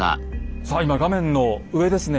さあ今画面の上ですね